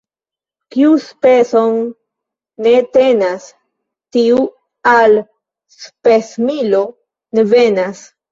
Kiu speson ne tenas, tiu al spesmilo ne venas.